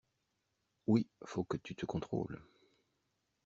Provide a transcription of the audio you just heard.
Oui faut que tu te contrôles.